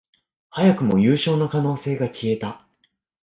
早くも優勝の可能性が消えた